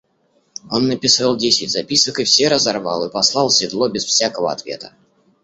Он написал десять записок и все разорвал и послал седло без всякого ответа.